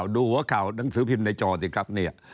ดูหัวข่าวหนังสือพิมพ์ในจอสิครับเนี่ย